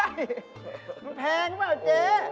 มันแพงหรือเปล่าเจ๊